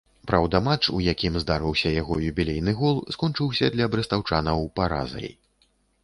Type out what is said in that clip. Праўда, матч, у якім здарыўся яго юбілейны гол, скончыўся для брэстаўчанаў паразай.